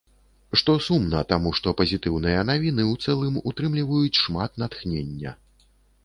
Што сумна, таму што пазітыўныя навіны ў цэлым утрымліваюць шмат натхнення.